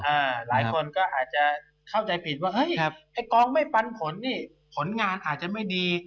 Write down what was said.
หลายคนก็อาจจะเข้าใจผิดว่ากองไม่ปันผลนี่ผลงานอาจจะไม่ดี